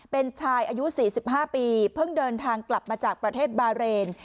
เป็นชายอายุ๔๕ปีเพิ่งเดินทางกลับมาจากประเทศบาเรน